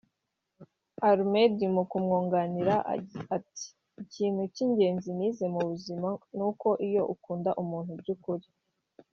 Almeda mu kumwunganira ati “ Ikintu cy’ingenzi nize mu buzima nuko iyo ukunda umuntu by’ukuri